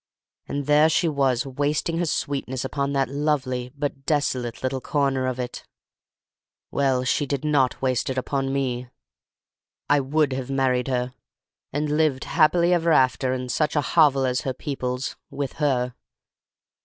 And there she was wasting her sweetness upon that lovely but desolate little corner of it! Well, she did not waste it upon me. I would have married her, and lived happily ever after in such a hovel as her people's—with her.